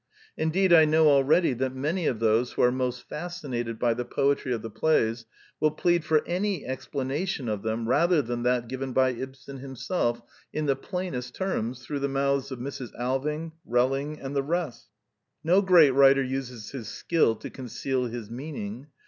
Indeed, I know already that many of those who are most fascinated by the poetry of the plays will plead for any explanation of them rather than that given by Ibsen himself in the plainest terms through the mouths of Mrs. Alving, Relling, and the rest. No great writer uses his skill to conceal his meaning.